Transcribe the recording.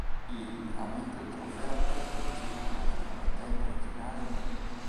Il ha vinto il trofeo per la tredicesima volta, battendo in finale l'.